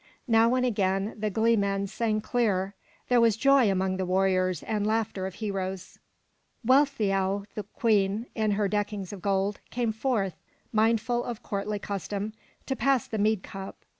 Now and again the glee men sang clear. There was joy among the warriors and laughter of heroes. Weal'theow, the Queen, in her deckings of gold, came forth, mindful of courtly custom, to pass the mead cup.